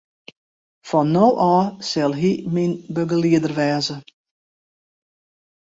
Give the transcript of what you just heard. Fan no ôf sil hy myn begelieder wêze.